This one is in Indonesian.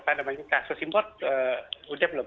apa namanya kasus import udah belum